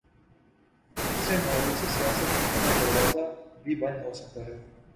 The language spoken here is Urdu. اسی سے موروثی سیاست کا دروازہ بھی بند ہو سکتا ہے۔